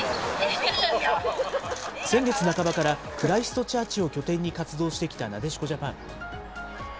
先月半ばからクライストチャーチを拠点に活動してきたなでしこジャパン。